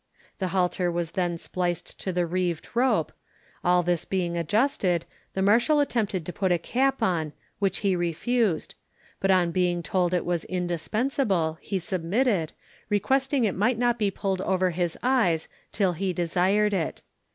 The halter was then spliced to the reeved rope; all this being adjusted, the Marshal attempted to put a cap on, which he refused; but on being told it was indispensible, he submitted, requesting it might not be pulled over his eyes till he desired it.